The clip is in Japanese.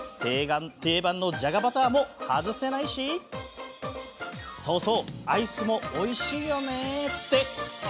定番のじゃがバターも外せないしそうそうアイスもおいしいよねって